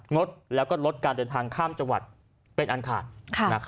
ดแล้วก็ลดการเดินทางข้ามจังหวัดเป็นอันขาด